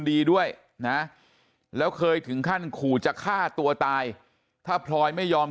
ดีด้วยนะแล้วเคยถึงขั้นขู่จะฆ่าตัวตายถ้าพลอยไม่ยอม